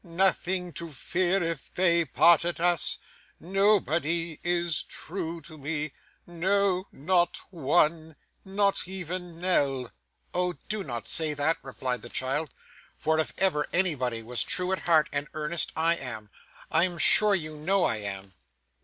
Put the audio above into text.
Nothing to fear if they parted us! Nobody is true to me. No, not one. Not even Nell!' 'Oh! do not say that,' replied the child, 'for if ever anybody was true at heart, and earnest, I am. I am sure you know I am.